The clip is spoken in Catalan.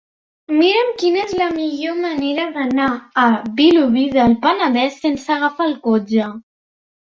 Mira'm quina és la millor manera d'anar a Vilobí del Penedès sense agafar el cotxe.